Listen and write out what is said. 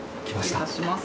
失礼いたします。